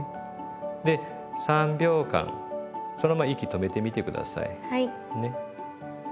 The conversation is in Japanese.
で３秒間そのまま息止めてみて下さい。